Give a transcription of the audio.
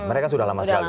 mereka sudah lama sekali